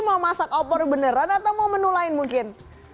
mau masak opor beneran atau mau menu lain mungkin